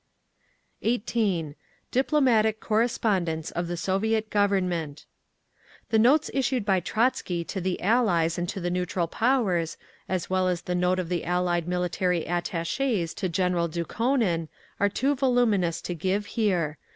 _ 18. DIPLOMATIC CORRESPONDENCE OF THE SOVIET GOVERNMENT The notes issued by Trotzky to the Allies and to the neutral powers, as well as the note of the Allied military Attachés to General Dukhonin, are too voluminous to give here.